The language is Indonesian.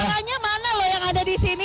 suaranya mana yang ada disini